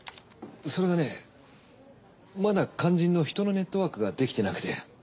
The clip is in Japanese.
それがねまだ肝心の人のネットワークができてなくて。